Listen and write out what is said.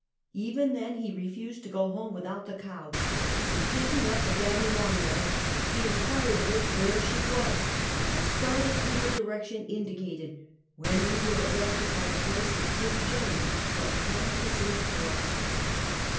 Even then he refused to go home without the cow, and tak ing up a daddy long legs, he inquired of it where she was, and started in the direction indicated, when we were arrested by the voice of Big Jane, who had come to search for us.